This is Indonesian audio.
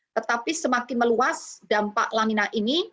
tetapi semakin meluas dampak lanina ini